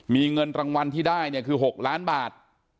มีเงินรางวัลที่ได้เนี่ยคือ๖ล้านบาท